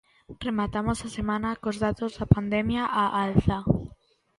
Rematamos a semana cos datos da pandemia á alza.